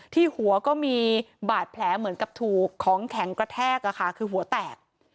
ที่หัวก็มีบาดแผลเหมือนกับถูกของแข็งกระแทกคือหัวแตก